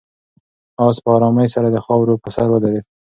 آس په آرامۍ سره د خاورو په سر ودرېد.